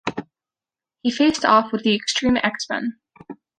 He faced off with the X-Treme X-Men.